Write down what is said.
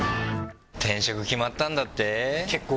転職、決まったんだって？